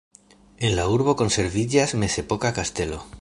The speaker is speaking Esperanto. En la urbo konserviĝas mezepoka kastelo.